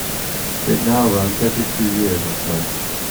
It now runs once every two years or so.